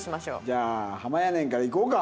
じゃあはまやねんからいこうか。